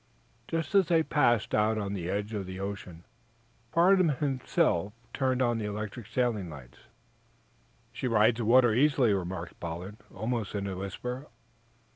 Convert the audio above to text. Just as they passed out on to the edge of the ocean Farnum himself turned on the electric sailing lights. "She rides the water easily," remarked Pollard, almost in a whisper.